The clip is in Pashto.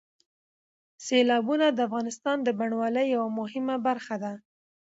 سیلابونه د افغانستان د بڼوالۍ یوه مهمه برخه ده.